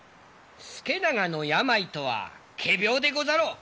資長の病とは仮病でござろう。